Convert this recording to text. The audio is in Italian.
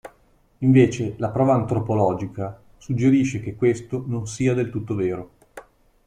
Invece la prova antropologica suggerisce che questo non sia del tutto vero.